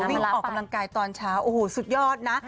วิ่งออกกำลังกายตอนเช้าโอ้โหสุดยอดนะ